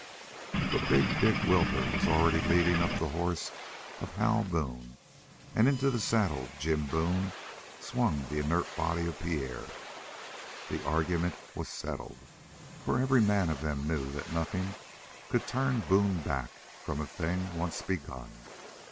But big Dick Wilbur was already leading up the horse of Hal Boone, and into the saddle Jim Boone swung the inert body of Pierre. The argument was settled, for every man of them knew that nothing could turn Boone back from a thing once begun.